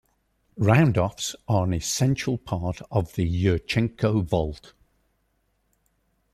Roundoffs are an essential part of the Yurchenko vault.